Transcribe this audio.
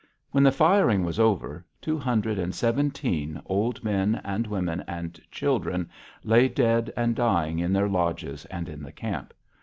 When the firing was over, two hundred and seventeen old men and women and children lay dead and dying in their lodges and in the camp.